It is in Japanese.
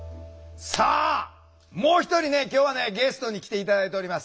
さあもう一人ね今日はねゲストに来て頂いております。